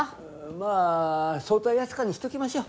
まあ早退扱いにしときましょう。